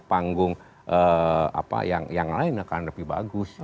panggung yang lain akan lebih bagus